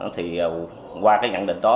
thì qua cái nhận định đó